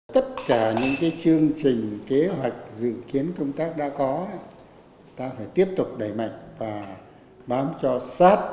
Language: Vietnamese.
tất cả những chương trình kế hoạch dự kiến công tác đã có ta phải tiếp tục đẩy mạnh và bám cho sát